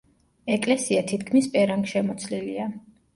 ეკლესია თითქმის პერანგშემოცლილია.